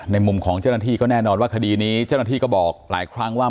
มุมของเจ้าหน้าที่ก็แน่นอนว่าคดีนี้เจ้าหน้าที่ก็บอกหลายครั้งว่า